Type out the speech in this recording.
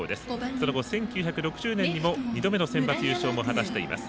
その後１９６０年にも２度目のセンバツ優勝を果たしています。